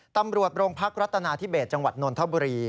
ตำรวจโรงพักรัฐนาธิเบสจังหวัดนนทบุรี